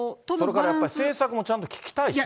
それからやっぱり政策もちゃんと聞きたいしね。